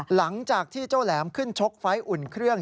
หลังจากที่เจ้าแหลมขึ้นชกไฟล์อุ่นเครื่อง